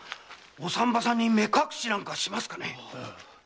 お産婆さんに目隠しなんかしますかね？